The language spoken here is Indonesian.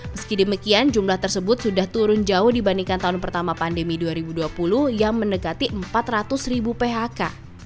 meski demikian jumlah tersebut sudah turun jauh dibandingkan tahun pertama pandemi dua ribu dua puluh yang mendekati empat ratus phk